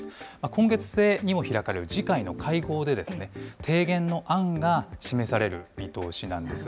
今月末にも開かれる次回の会合で、提言の案が示される見通しなんです。